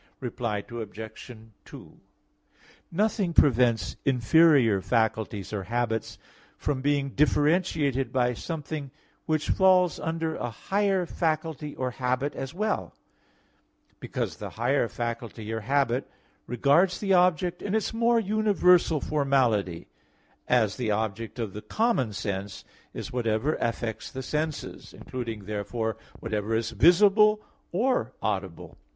Reply Obj. 2: Nothing prevents inferior faculties or habits from being differentiated by something which falls under a higher faculty or habit as well; because the higher faculty or habit regards the object in its more universal formality, as the object of the common sense is whatever affects the senses, including, therefore, whatever is visible or audible.